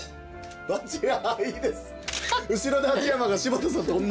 バッチリいいです。